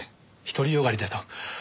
独りよがりだと。